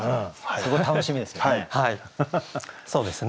すごい楽しみですね。